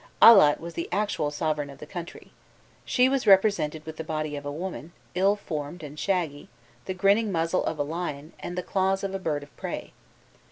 Allat was the actual sovereign of the country. She was represented with the body of a woman, ill formed and shaggy, the grinning muzzle of a lion, and the claws of a bird of prey.